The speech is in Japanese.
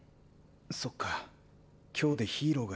そっか今日でヒーローが避難所に。